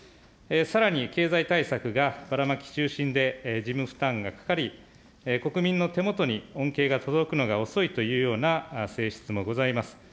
さらに経済対策がばらまき中心で事務負担がかかり、国民の手元に恩恵が届くのが遅いというような性質もございます。